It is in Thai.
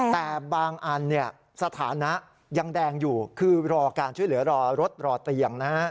แต่บางอันเนี่ยสถานะยังแดงอยู่คือรอการช่วยเหลือรอรถรอเตียงนะฮะ